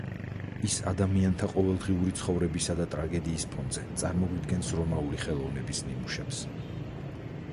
ის ადამიანთა ყოველდღიური ცხოვრებისა და ტრაგედიის ფონზე წარმოგვიდგენს რომაული ხელოვნების ნიმუშებს.